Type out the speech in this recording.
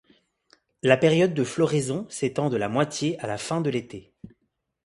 La période de floraison s’étend de la moitié à la fin de l'été.